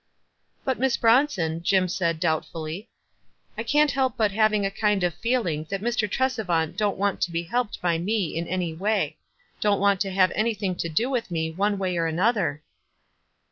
WISE A2s T D OTHERWISE. 81 "But, Miss Bronson," Jim said, doubtfully, "I can't help having a kind of feeling that Mr. Tresevant don't waut to bo helped by me in any way ; don't want to have anything to do with me, one way or another."